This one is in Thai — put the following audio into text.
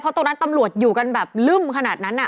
ตรงนั้นตำรวจอยู่กันแบบลึ่มขนาดนั้น